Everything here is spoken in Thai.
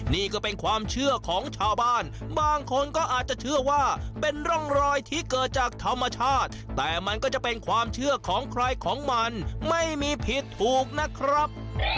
นี่ก็เป็นความเชื่อของชาวบ้านบางคนก็อาจจะเชื่อว่าเป็นร่องรอยที่เกิดจากธรรมชาติแต่มันก็จะเป็นความเชื่อของใครของมันไม่มีผิดถูกนะครับ